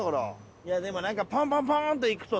いやでもなんかポンポンポンといくとさ